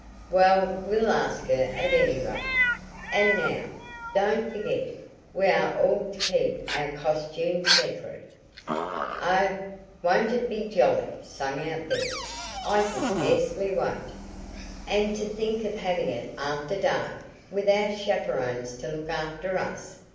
"Well, we'll ask her, at any rate. And, now, don't forget, we are all to keep our costumes secret." "Oh, won't it be jolly!" sang out Bess. "I can scarcely wait." "And to think of having it after dark, without chaperons to look after us!"